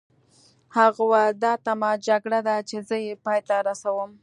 هغه وویل دا اتمه جګړه ده چې زه یې پای ته رسوم.